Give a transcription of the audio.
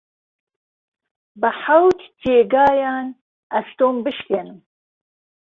به حەوت جێگایان ئەستۆم بشکێنم